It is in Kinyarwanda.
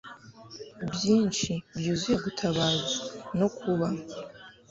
byinshi byuzuye gutabaza, no kuba